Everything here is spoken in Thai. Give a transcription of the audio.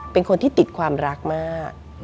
เป็นคนที่ติดความรักมาก